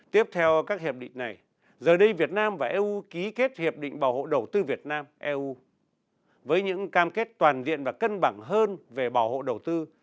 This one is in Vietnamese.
tiếp theo các hiệp định này giờ đây việt nam và eu ký kết hiệp định bảo hộ đầu tư việt nam eu với những cam kết toàn diện và cân bằng hơn về bảo hộ đầu tư